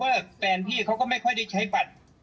เพราะว่าแฟนพี่เขาก็ไม่ค่อยได้ใช้บัตร